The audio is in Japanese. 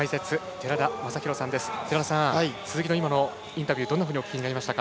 寺田さん、鈴木のインタビューどうお聞きになりましたか。